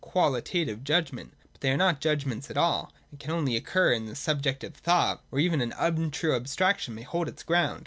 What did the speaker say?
Qualitative judgment. But they are not judg ments at all, and can only occur in a subjective thought where even an untrue abstraction may hold its ground.